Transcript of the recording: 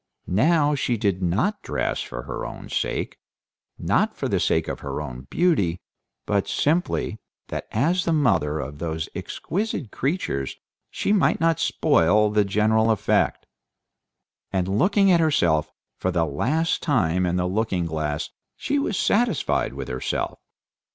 Now she did not dress for her own sake, not for the sake of her own beauty, but simply that as the mother of those exquisite creatures she might not spoil the general effect. And looking at herself for the last time in the looking glass she was satisfied with herself.